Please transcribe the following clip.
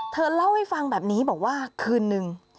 เธอเล่าให้ฟังแบบนี้บอกว่าคืนนึง